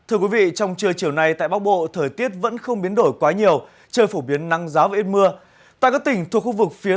thưa quý vị trong trưa chiều nay tại bắc bộ thời tiết vẫn không biến đổi quá nhiều trời phổ biến năng giáo và ít mưa